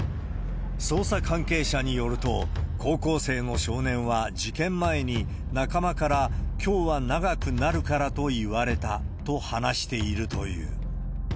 捜査関係者によると、高校生の少年は事件前に、仲間から、きょうは長くなるからと言われたと話しているという。